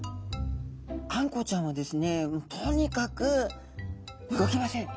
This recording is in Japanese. あんこうちゃんはですねとにかく動きません。